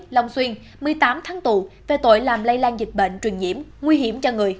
long xuyên một mươi tám tháng tù về tội làm lây lan dịch bệnh truyền nhiễm nguy hiểm cho người